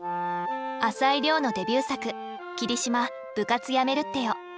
朝井リョウのデビュー作「桐島、部活やめるってよ」。